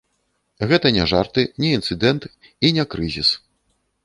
Гэта не жарты, не інцыдэнт, і не крызіс.